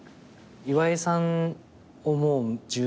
岩井さんをもう１０年